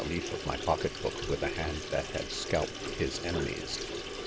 leaf of my pocket hook, with a hand that had scalped his enemies.